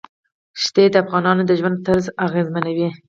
ښتې د افغانانو د ژوند طرز اغېزمنوي.